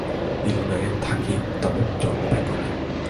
ইলিনয়ে থাকি, তবে জন্ম ব্যাংককে।